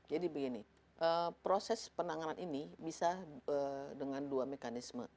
jadi begini proses penanganan ini bisa dengan dua mekanisme